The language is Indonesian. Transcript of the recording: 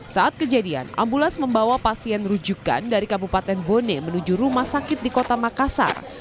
saat kejadian ambulans membawa pasien rujukan dari kabupaten bone menuju rumah sakit di kota makassar